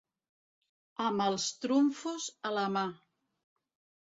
Amb els trumfos a la mà.